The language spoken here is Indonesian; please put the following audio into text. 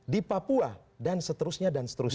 di papua dan seterusnya dan seterusnya